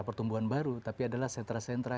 pertumbuhan baru tapi adalah sentra sentra